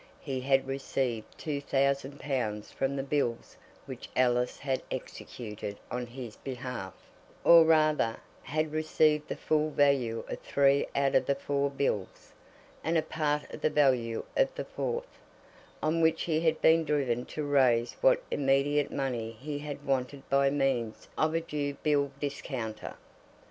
He had received two thousand pounds from the bills which Alice had executed on his behalf, or rather, had received the full value of three out of the four bills, and a part of the value of the fourth, on which he had been driven to raise what immediate money he had wanted by means of a Jew bill discounter.